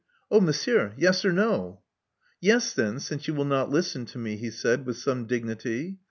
'*Oh, Monsieur, yes or no?" Yes, then, since you will not listen to me," he said, with some dignity.